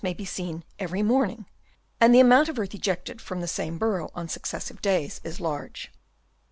105 be seen every morning, and the amount of earth ejected from the same burrow on succes sive days is large.